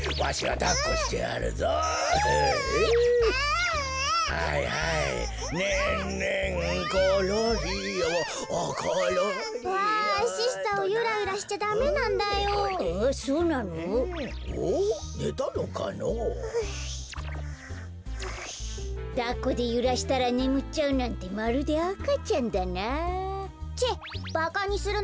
だっこでゆらしたらねむっちゃうなんてまるであかちゃんだな。